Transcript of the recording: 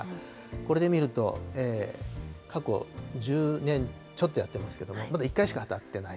これで見ると、過去１０年ちょっとやってますけども、まだ１回しか当たってないと。